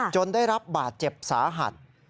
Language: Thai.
ได้รับบาดเจ็บสาหัส